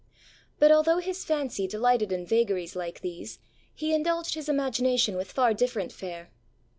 But although his fancy delighted in vagaries like these, he indulged his imagination with far different fare.